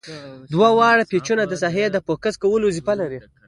دوه واړه پیچونه د ساحې د فوکس کولو وظیفه لري.